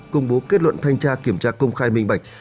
công bố kết luận thanh tra kiểm tra công khai minh bạch